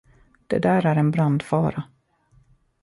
Det där är en brandfara.